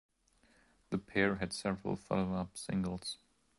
The pair had several follow-up singles.